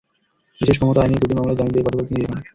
বিশেষ ক্ষমতা আইনের দুটি মামলায় জামিন পেয়ে গতকাল তিনি বের হন।